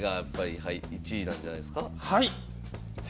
はい！